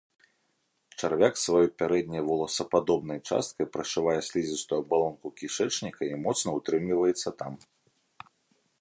Чарвяк сваёй пярэдняй воласападобнай часткай прашывае слізістую абалонку кішэчніка і моцна ўтрымліваецца там.